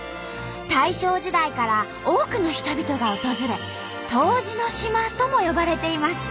大正時代から多くの人々が訪れ「湯治の島」とも呼ばれています。